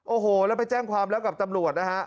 โอ้โหแล้วไปแจ้งความแล้วกับตำรวจนะฮะ